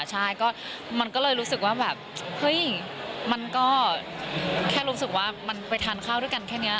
ใช่ก็มันก็เลยรู้สึกว่าแบบเฮ้ยมันก็แค่รู้สึกว่ามันไปทานข้าวด้วยกันแค่นี้